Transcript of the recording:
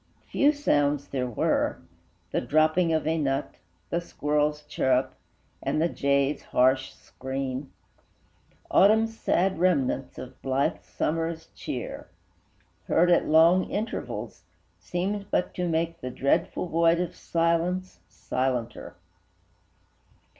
Few sounds there were: the dropping of a nut, The squirrel's chirrup, and the jay's harsh scream, Autumn's sad remnants of blithe Summer's cheer, Heard at long intervals, seemed but to make The dreadful void of silence silenter.